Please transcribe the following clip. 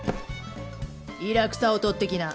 イラクサをとってきな。